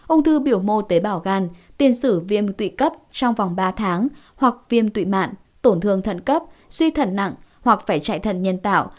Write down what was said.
ung thư biểu mô tế bào gan tiền sử viêm tụy cấp trong vòng ba tháng hoặc viêm tụy mạn tổn thương thận cấp suy thận nặng hoặc phải chạy thận nhân tạo